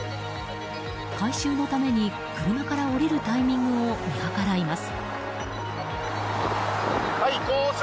回収のために、車から降りるタイミングを見計らいます。